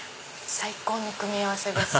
最高の組み合わせです。